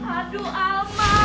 aduh om mak